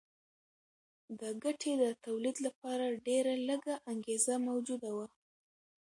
د ګټې د تولید لپاره ډېره لږه انګېزه موجوده وه